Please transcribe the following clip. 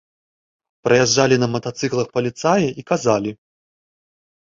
Праязджалі на матацыклах паліцаі і казалі.